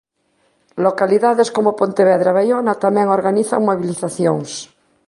Localidades como Pontevedra e Baiona tamén organizan mobilizacións.